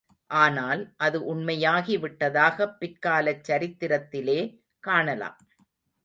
ஆனால், அது உண்மையாகி விட்டதாகப் பிற்காலச்சரித்திரத்திலே காணலாம்.